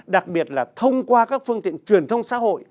đặc biệt là thông qua các phương tiện truyền thông xã hội